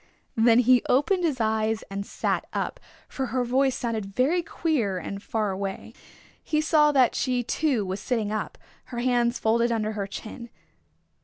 Then he opened his eyes and sat up, for her voice sounded very queer and far away. He saw that she too was sitting up, her hands folded under her chin.